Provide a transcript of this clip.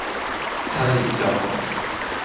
餐饮加盟